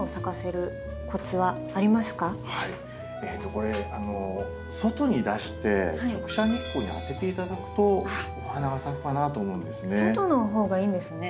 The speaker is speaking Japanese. これ外に出して直射日光に当てて頂くとお花が咲くかなと思うんですね。